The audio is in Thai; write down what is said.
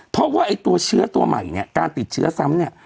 เพราะว่าไอ้ตัวเชื้อตัวใหม่เนี่ยการติดเชื้อซ้ำเนี่ย